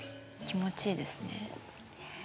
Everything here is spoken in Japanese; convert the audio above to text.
気持ちいいですね。